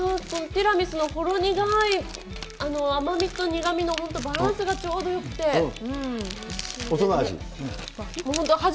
ティラミスのほろ苦い甘みと苦みの本当バランスがちょうどよ大人味？